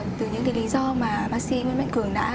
để cho bệnh trí có xu hướng trẻ hóa